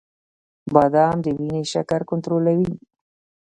• بادام د وینې شکر کنټرولوي.